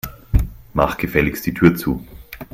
Mach gefälligst die Tür zu.